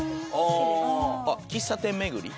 あっ喫茶店巡り？